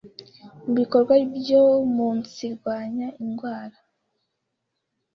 mu bikorwa byo umunsirwanya indwara